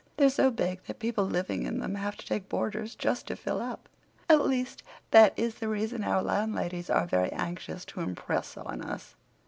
They're so big that people living in them have to take boarders just to fill up. At least, that is the reason our landladies are very anxious to impress on us.